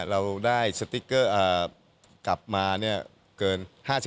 เราได้สติ๊กเกอร์กลับมาเกิน๕๐